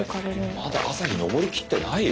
まだ朝日昇りきってないよ。